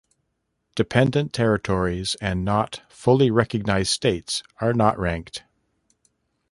Dependent territories and not fully recognized states are not ranked.